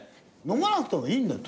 飲まなくてもいいんだよ。